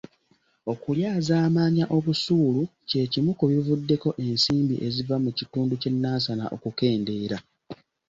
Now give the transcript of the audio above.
Okulyazaamaanya obusuulu kye kimu ku bivuddeko ensimbi eziva mu kitundu ky'e Nansana okukendeera.